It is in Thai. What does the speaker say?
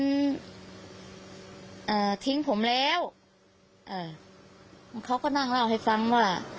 มันทิ้งผมแล้วอ่าเขาก็นั่งเล่าให้ฟังว่า